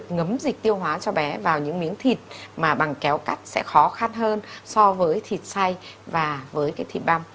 nấm dịch tiêu hóa cho bé vào những miếng thịt mà bằng kéo cắt sẽ khó khăn hơn so với thịt xay và với thịt băm